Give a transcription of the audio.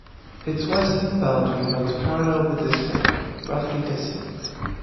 Its western boundary runs parallel with this range, roughly distant.